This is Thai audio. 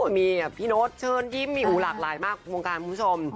มีพี่โน๊ตเชิญยิ้มมีหูหลากหลายมากวงการคุณผู้ชม